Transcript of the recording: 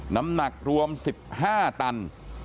น้ำหนักรวมสิบห้าตัน